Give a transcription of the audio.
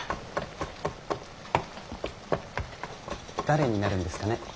誰になるんですかね